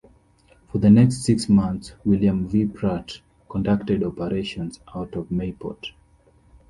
For the next six months, "William V. Pratt" conducted operations out of Mayport.